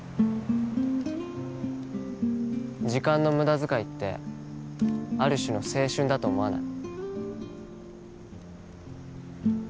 時間の無駄遣いってある種の青春だと思わない？